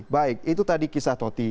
baik itu tadi kisah toti